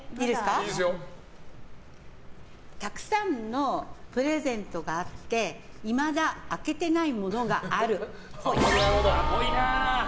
たくさんのプレゼントがあっていまだ開けてないものがあるっぽい。